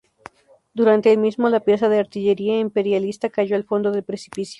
Durante el mismo, la pieza de artillería imperialista cayó al fondo del precipicio.